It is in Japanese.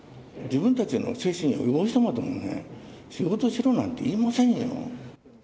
自分たちの精神を汚してまでも仕事しろなんて言いませんよ。